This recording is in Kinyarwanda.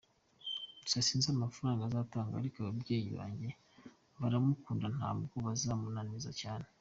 Gusa sinzi amafaranga azatanga ariko ababyeyi banjye baramukunda ntabwo bazamunaniza cyane.